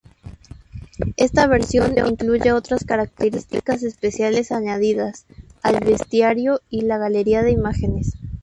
Esta versión incluye otras características especiales añadidas, el bestiario y la galería de imágenes.